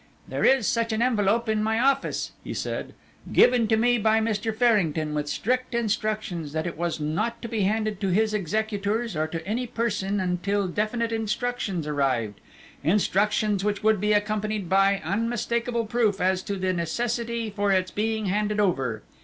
"There is such an envelope in my office," he said, "given to me by Mr. Farrington with strict instructions that it was not to be handed to his executors or to any person until definite instructions arrived instructions which would be accompanied by unmistakable proof as to the necessity for its being handed over.